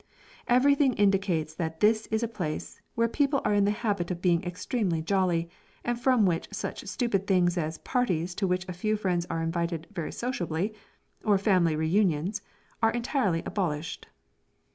Every thing indicates that this is a place, where people are in the habit of being extremely jolly, and from which such stupid things as parties to which a few friends are invited "very sociably", or family re unions, are entirely abolished.